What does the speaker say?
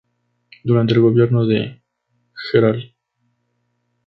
Durante el gobierno del Gral.